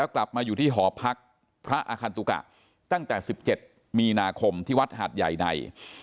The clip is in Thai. กลับมาอยู่ที่หอพักพระอคันตุกะตั้งแต่๑๗มีนาคมที่วัดหาดใหญ่ใน